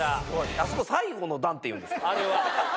あそこ最後の段っていうんですか？